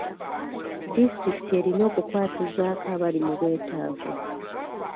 Disitulikiti erina okukwasizaako abali mu bwetaavu.